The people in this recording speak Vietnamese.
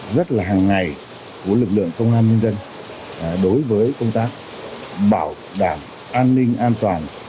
rất là hàng ngày của lực lượng công an nhân dân đối với công tác bảo đảm an ninh an toàn